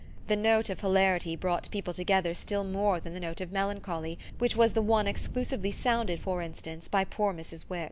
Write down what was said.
The note of hilarity brought people together still more than the note of melancholy, which was the one exclusively sounded, for instance, by poor Mrs. Wix.